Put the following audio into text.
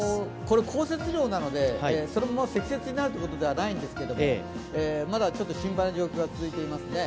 降雪量なので、そのまま積雪になるということではないんですけれどもまだちょっと心配な状況が続いていますね。